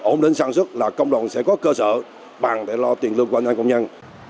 ổn định sản xuất là công đoàn sẽ có cơ sở bằng để lo tiền lương của anh công nhân